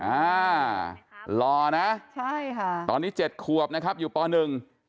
อ่าหล่อนะใช่ค่ะตอนนี้๗คั่วนะครับอยู่ป่าว๑